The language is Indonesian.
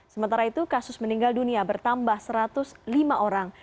sementara itu kasus meninggal dunia bertambah satu ratus lima orang